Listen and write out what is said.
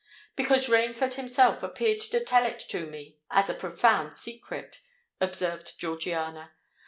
"Because Rainford himself appeared to tell it to me as a profound secret," observed Georgiana.